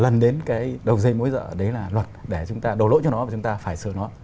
lần đến cái đầu dây mối dở đấy là luật để chúng ta đổ lỗi cho nó và chúng ta phải sửa nó